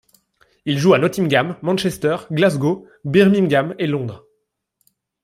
Ils jouent à Nottingham, Manchester, Glasgow, Birmingham et Londres.